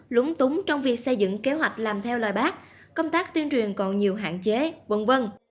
lúng túng trong việc xây dựng kế hoạch làm theo lời bác công tác tuyên truyền còn nhiều hạn chế v v